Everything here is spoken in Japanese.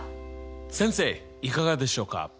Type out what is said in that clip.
先生いかがでしょうか？